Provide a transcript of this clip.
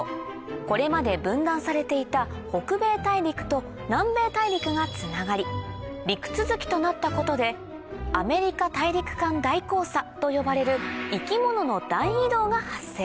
これまで分断されていた北米大陸と南米大陸がつながり陸続きとなったことで「アメリカ大陸間大交差」と呼ばれる生き物の大移動が発生